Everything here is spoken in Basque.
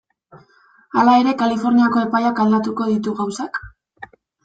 Hala ere, Kaliforniako epaiak aldatuko ditu gauzak?